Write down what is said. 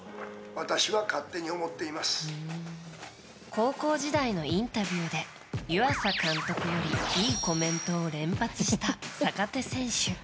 高校時代のインタビューで湯浅監督よりいいコメントを連発した坂手選手。